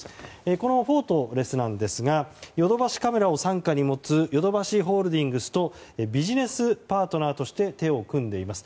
このフォートレスなんですがヨドバシカメラを傘下に持つヨドバシホールディングスとビジネスパートナーとして手を組んでいます。